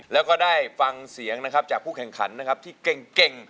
แล้วก็ได้ฟังเสียงจากผู้แข่งขันที่เก่ง